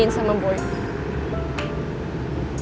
gue nggak bisa berhenti berharap sama boy